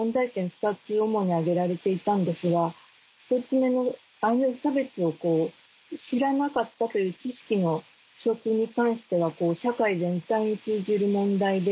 ２つ主に挙げられていたんですが１つ目のああいう差別を知らなかったという知識の不足に関しては社会全体に通じる問題で。